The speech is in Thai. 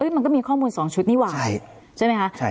มันก็มีข้อมูล๒ชุดนี่หว่าใช่ไหมคะ